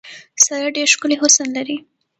ساره ډېر ښکلی حسن لري.